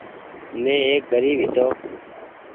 مين ايڪ گريب هيتو ۔